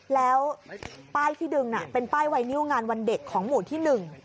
แล้วป้ายที่ดึงเป็นไหวนิ่วงานวันเด็กของหมู่ที่๑